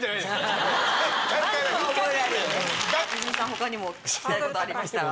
泉さん他にも聞きたいことありましたら。